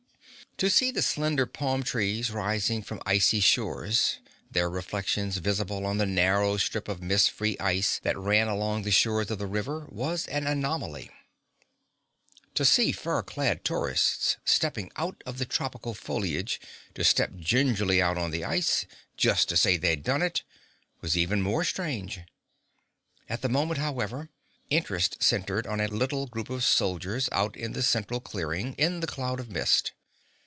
To see the slender palm trees rising from icy shores, their reflections visible on the narrow strip of mist free ice that ran along the shores of the river was an anomaly. To see fur clad tourists stepping out of the tropical foliage to step gingerly out on the ice "just to say they'd done it" was even more strange. At the moment, however, interest centered on a little group of soldiers out in the central clearing in the cloud of mist.